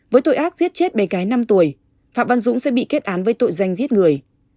với tội ác giết chết bé gái năm tuổi phạm văn dũng sẽ bị kết án với tội danh giết người